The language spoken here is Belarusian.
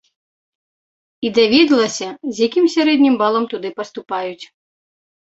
І даведалася, з якім сярэднім балам туды паступаюць.